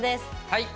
はい。